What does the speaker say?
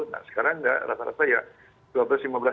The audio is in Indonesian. nah sekarang enggak rata rata ya